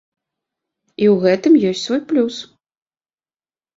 І ў гэтым ёсць свой плюс.